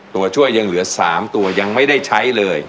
ตัวช่วยยังเหลือ๓ตัวยังไม่ได้ใช้เลย